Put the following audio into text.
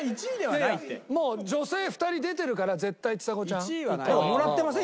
もう女性２人出てるから絶対ちさ子ちゃん。なんかもらってません？